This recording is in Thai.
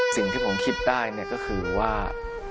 สิ่งที่ผมคิดได้ก็คือว่า